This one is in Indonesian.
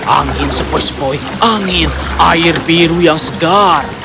angin sepoi sepoi angin air biru yang segar